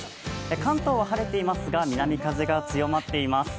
関東は晴れていますが、南風が強まっています。